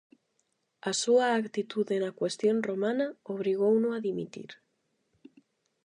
A súa actitude na Cuestión Romana obrigouno a dimitir.